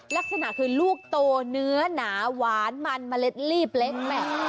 ลักษณะคือลูกโตเนื้อหนาหวานมันเมล็ดลีบเล็ก